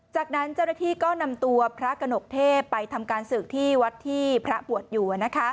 จากนั้นเจ้าหน้าที่ก็นำตัวพระกระหนกเทพไปทำการศึกที่วัดที่พระบวชอยู่